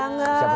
maka sudah gak